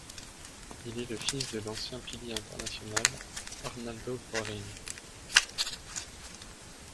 Il est le fils de l'ancien pilier international Arnaldo Gruarin.